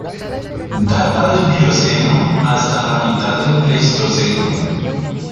Data del Plioceno hasta la mitad del Pleistoceno.